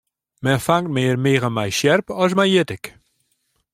Men fangt mear miggen mei sjerp as mei jittik.